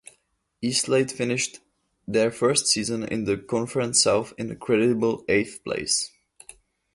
Eastleigh finished their first season in the Conference South in a creditable eighth place.